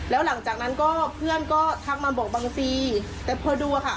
แล้วหลังจากนั้นก็เพื่อนก็ทักมาบอกบังซีแต่พอดูอะค่ะ